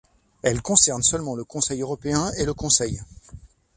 Elle concerne seulement le Conseil européen et le Conseil.